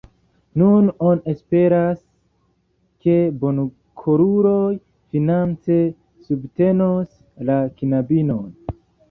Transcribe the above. Nun oni esperas, ke bonkoruloj finance subtenos la knabinon.